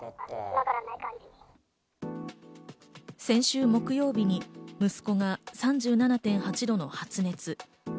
先週木曜日に息子が３７．８度の発熱。